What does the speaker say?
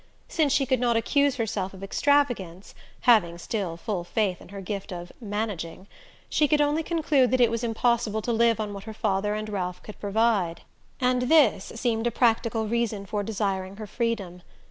Since she could not accuse herself of extravagance having still full faith in her gift of "managing" she could only conclude that it was impossible to live on what her father and Ralph could provide; and this seemed a practical reason for desiring her freedom.